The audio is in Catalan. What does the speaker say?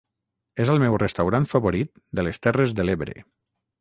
És el meu restaurant favorit de les Terres de l'Ebre.